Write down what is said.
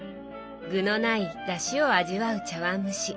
具のないだしを味わう茶碗蒸し。